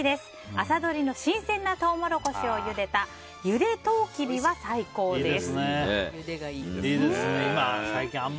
朝どりの新鮮なトウモロコシをゆでたゆでとうきびは最高です。